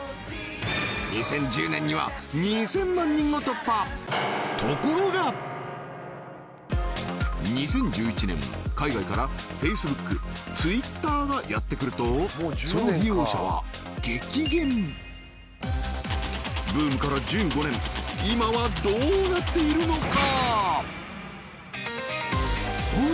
２０１０年には２０００万人を突破ところが２０１１年海外からＦａｃｅｂｏｏｋＴｗｉｔｔｅｒがやってくるとその利用者は激減ブームから１５年今はどうなっているのか？